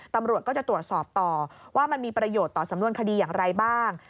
ตำรวจก็จะตรวจสอบต่อว่ามันมีประโยชน์ต่อสำนวนคดีอย่างไรบ้าง